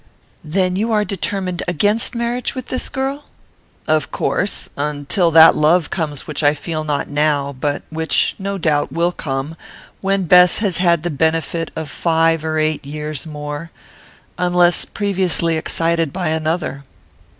"Then you are determined against marriage with this girl?" "Of course; until that love comes which I feel not now; but which, no doubt, will come, when Bess has had the benefit of five or eight years more, unless previously excited by another."